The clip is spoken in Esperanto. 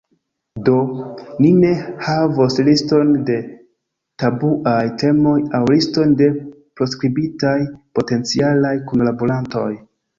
Do, ni ne havos liston de tabuaj temoj aŭ liston de proskribitaj potencialaj kunlaborantoj.